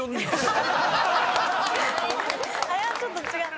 あれはちょっと違う。